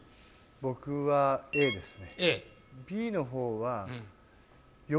僕はＡですね